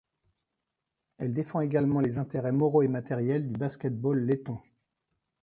Elle défend également les intérêts moraux et matériels du basket-ball letton.